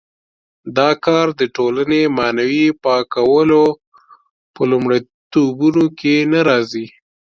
دا کار د ټولنې معنوي پاکولو په لومړیتوبونو کې نه راځي.